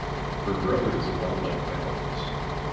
Her brother is a wildlife biologist.